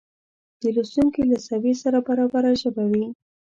د لوستونکې له سویې سره برابره ژبه وي